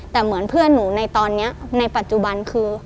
แต่เหมือนเพื่อนหนูในตอนนี้ในปัจจุบันคือ